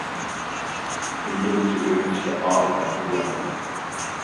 ئىنگلىزچە ئۆگىنىشكە ئائىت ماتېرىياللار